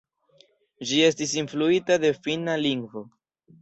Ĝi estas influita de finna lingvo.